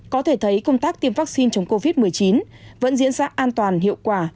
có thể thấy công tác tiêm vaccine chống covid một mươi chín vẫn diễn ra an toàn hiệu quả